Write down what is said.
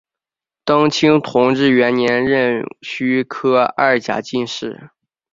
登清同治元年壬戌科二甲进士。